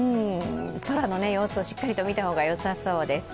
空の様子をしっかりと見た方がよさそうです。